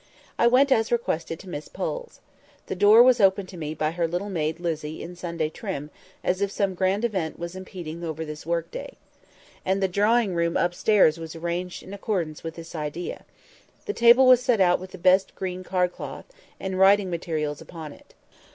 I went as requested to Miss Pole's. The door was opened to me by her little maid Lizzy in Sunday trim, as if some grand event was impending over this work day. And the drawing room upstairs was arranged in accordance with this idea. The table was set out with the best green card cloth, and writing materials upon it.